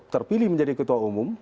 terpilih menjadi ketua umum